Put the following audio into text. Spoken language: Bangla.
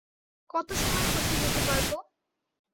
কত সময়ের মধ্যে যেতে পারব?